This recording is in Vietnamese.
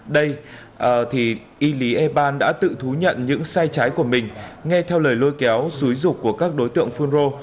đây thì y lý e ban đã tự thú nhận những sai trái của mình nghe theo lời lôi kéo xúi dục của các đối tượng phun rô